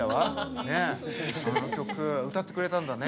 あの曲歌ってくれたんだね。